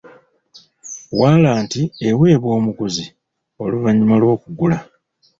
Walanti eweebwa omuguzi oluvannyuma lw'okugula .